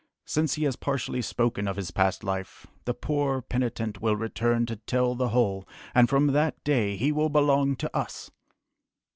Since he has partially spoken of his past life, the poor penitent will return to tell the whole, and from that day he will belong to us!"